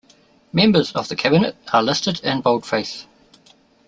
Members of the Cabinet are listed in boldface.